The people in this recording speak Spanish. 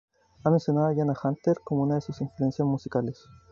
Ha mencionado a Jana Hunter como una de sus influencias musicales.